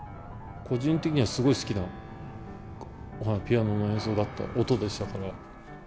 個人的にはすごい好きなピアノの演奏だった、音でしたから。